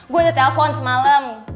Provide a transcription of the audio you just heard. gue udah telpon semalam